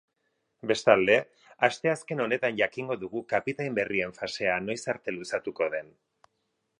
Bestalde, asteazken honetan jakingo dugu kapitain berrien fasea noiz arte luzatuko den.